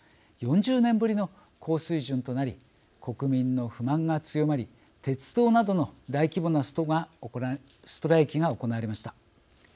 ４０年ぶりの高水準となり国民の不満が強まり鉄道などの大規模なストライキなどが行われました。